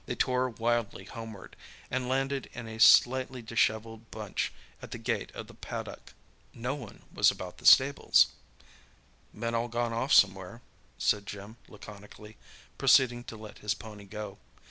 They tore wildly homeward, and landed in a slightly dishevelled bunch at the gate of the paddock. No one was about the stables. "Men all gone off somewhere," said Jim laconically, proceeding to let his pony go.